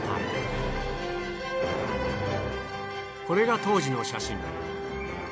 これが当時の写真。